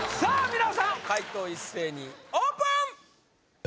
みなさん解答一斉にオープン！